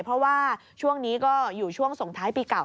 เพราะว่าช่วงนี้ก็อยู่ช่วงส่งท้ายปีเก่า